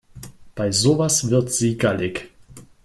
Bei sowas wird sie gallig.